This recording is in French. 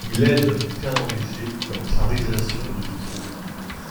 Il aide Fernand Léger dans sa réalisation de vitraux.